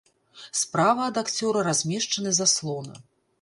Справа ад акцёра размешчаны заслона.